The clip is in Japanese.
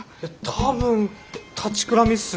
多分立ちくらみっすね。